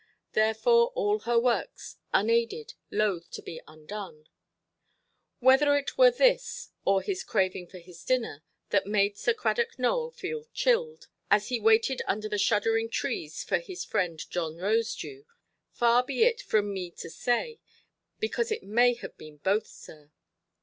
Therefore all her works, unaided, loathe to be undone. Whether it were this, or his craving for his dinner, that made Sir Cradock Nowell feel chilled, as he waited under the shuddering trees for his friend John Rosedew—far be it from me to say, because it may have been both, sir.